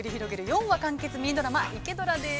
４話完結ミニドラマ「イケドラ」です。